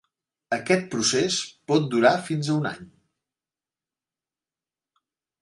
Aquest procés por durar fins a un any.